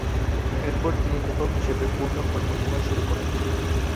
এরপর তিনি লেখক হিসেবে পূর্ণ কর্মজীবন শুরু করেন।